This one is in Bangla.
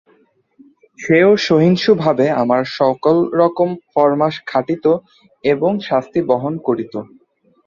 সেও সহিষ্ণুভাবে আমার সকলরকম ফরমাশ খাটিত এবং শাস্তি বহন করিত।